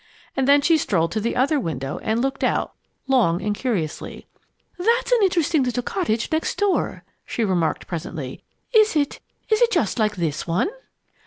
And then she strolled to the other window and looked out, long and curiously. "That's an interesting little cottage next door," she remarked presently. "Is it is it just like this one?"